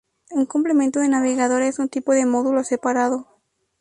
Un complemento de navegador es un tipo de módulo separado.